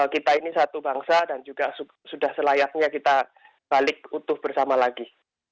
kita ini satu bangsa dan juga sudah selayaknya kita balik utuh bersama lagi